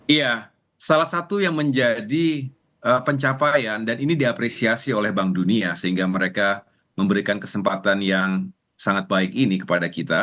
iya salah satu yang menjadi pencapaian dan ini diapresiasi oleh bank dunia sehingga mereka memberikan kesempatan yang sangat baik ini kepada kita